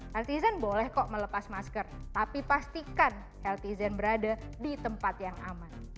healthy zen boleh melepas masker tapi pastikan healthy zen berada di tempat yang aman